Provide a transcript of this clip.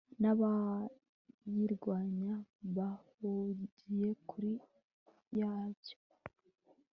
n'abayirwanya bahungire kure yayo